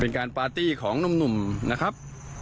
การปาร์ตี้ของหนุ่มนะครับ